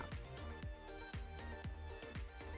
panorama gunung ciremai